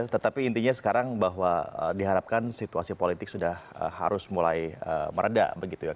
tetapi intinya sekarang bahwa diharapkan situasi politik sudah harus mulai meredah begitu ya